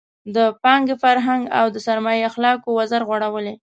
د پانګې فرهنګ او د سرمایې اخلاقو وزر غوړولی.